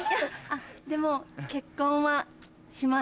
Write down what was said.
でも結婚はします。